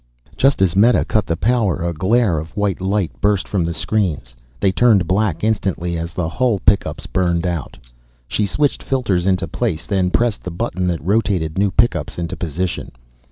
Just as Meta cut the power a glare of white light burst from the screens. They turned black instantly as the hull pickups burned out. She switched filters into place, then pressed the button that rotated new pickups into position.